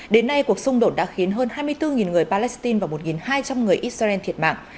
đến nay cuộc xung đột đã khiến hơn hai mươi bốn người palestine và một hai trăm linh người israel thiệt mạng